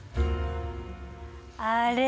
あれ？